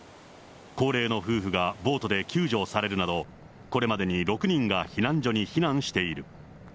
高齢の夫婦がボートで救助されるなど、これまでに６人が避難所に避難している。